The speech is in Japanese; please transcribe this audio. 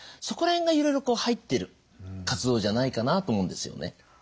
そこら辺がいろいろ入ってる活動じゃないかなと思うんですよね。